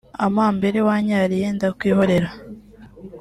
Amambere wanyariye ndakwihorera